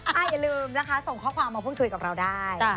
อย่าลืมนะคะส่งข้อความมาพูดคุยกับเราได้